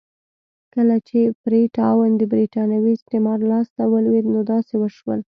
کله چې فري ټاون د برېټانوي استعمار لاس ته ولوېد نو داسې وشول.